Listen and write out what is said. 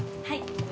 はい